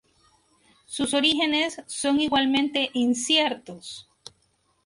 Sus orígenes son igualmente inciertos.